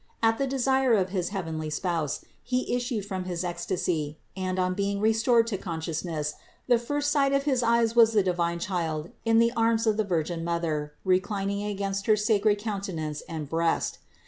At the desire of his heavenly Spouse he issued from his ecstasy and, on being restored to consciousness, the first sight of his eyes was the divine Child in the arms of the Virgin Mother reclining against her sacred countenance and breast.